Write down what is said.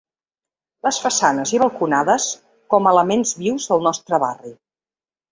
Les façanes i balconades com a elements vius del nostre barri.